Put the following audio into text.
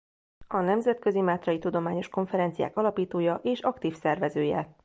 A Nemzetközi Mátrai Tudományos Konferenciák alapítója és aktív szervezője.